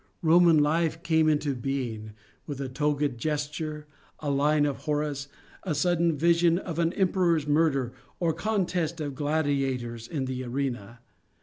Roman life came into being, with a toga'd gesture, a line of Horace, a sudden vision of an emperor's murder or a contest of gladiators in the arena.